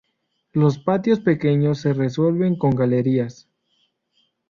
Los patios, pequeños, se resuelven con galerías.